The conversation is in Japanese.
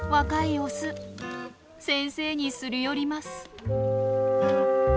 先生にすり寄ります。